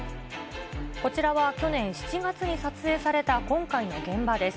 こちらは去年７月に撮影された今回の現場です。